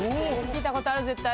聞いたことある絶対。